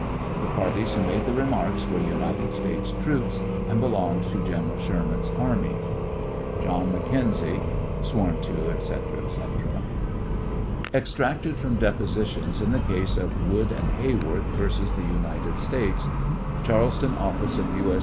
. tt •* j The parties who made the remarks were United States troops, and belonged to General Sherman's army. JOHN MoKBNZIB. Sworn to, etc. Extracted from Depositions in the case of Wood & Heyworth vs. The United States, Charleston, Office of U. S.